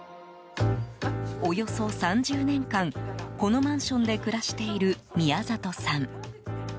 およそ３０年間このマンションで暮らしている宮里さん。